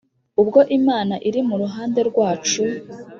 Ubwo Imana iri mu ruhande rwacu,